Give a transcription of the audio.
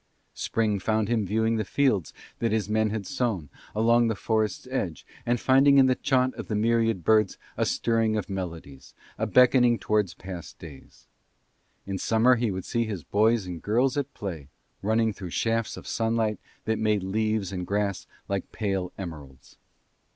Spring found him viewing the fields that his men had sown, along the forest's edge, and finding in the chaunt of the myriad birds a stirring of memories, a beckoning towards past days. In summer he would see his boys and girls at play, running through shafts of sunlight that made leaves and grass like pale emeralds.